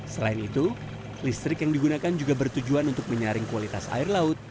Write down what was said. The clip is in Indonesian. selain itu listrik yang digunakan juga bertujuan untuk menyaring kualitas air laut